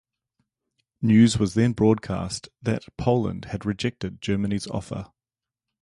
News was then broadcast that Poland had rejected Germany's offer.